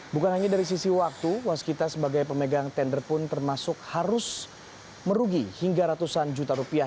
bukan hanya dari sisi waktu waskita sebagai pemegang tender pun termasuk harus merugi hingga ratusan juta rupiah